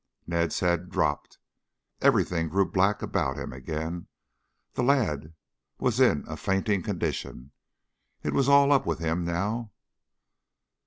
Ned's head dropped. Everything grew black about him again. The lad was in a fainting condition. It was all up with him now.